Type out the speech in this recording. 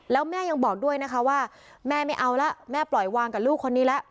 แล้วแม่ยังบอกด้วยนะคะว่าแม่ไม่เอาแล้วแม่ปล่อยวางกับลูกคนนี้แล้ว